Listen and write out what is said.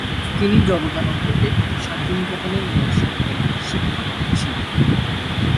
তিনি জগদানন্দকে শান্তিনিকেতনে নিয়ে আসেন একজন শিক্ষক হিসেবে।